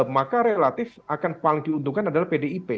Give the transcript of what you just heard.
maka relatif akan paling diuntungkan adalah pdip